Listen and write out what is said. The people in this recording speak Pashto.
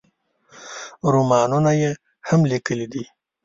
رومانونه یې هم لیکلي دي.